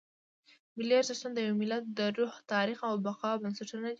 ملي ارزښتونه د یو ملت د روح، تاریخ او بقا بنسټونه دي.